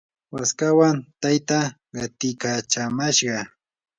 waskawan taytaa qatikachamashqa.